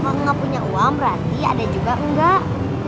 kok kakak gak punya uang berarti adek juga enggak